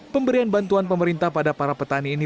pemberian bantuan pemerintah pada para petani ini